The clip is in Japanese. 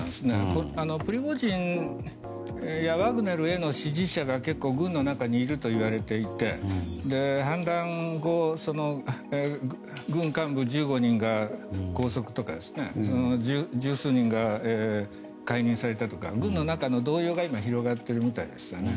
プリゴジンやワグネルへの支持者が結構、軍の中にいるといわれていて反乱後、軍幹部１５人が拘束とか十数人が解任されたとか軍の中の動揺が今広がっているみたいですね。